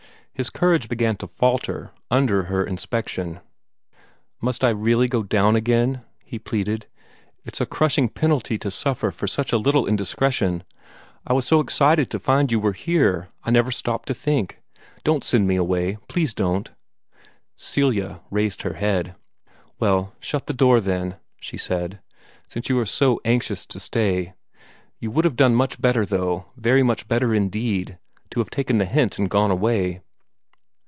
His courage began to falter under her inspection. "Must I really go down again?" he pleaded. "It's a crushing penalty to suffer for such little indiscretion. I was so excited to find you were here I never stopped to think. Don't send me away; please don't!" Celia raised her head. "Well, shut the door, then," she said, "since you are so anxious to stay. You would have done much better, though, very much better indeed, to have taken the hint and gone away."